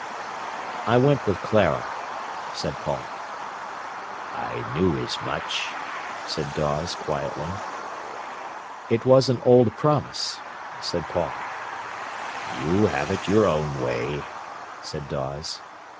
"I went with Clara," said Paul. "I knew as much," said Dawes quietly. "It was an old promise," said Paul. "You have it your own way," said Dawes.